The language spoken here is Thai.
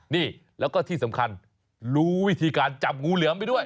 นี่แล้วก็ที่สำคัญรู้วิธีการจับงูเหลือมไปด้วย